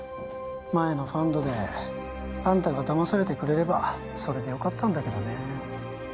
前のファンドであんたがだまされてくれればそれでよかったんだけどね